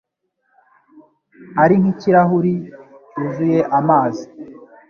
ari nk'ikirahuri cyuzuye amazi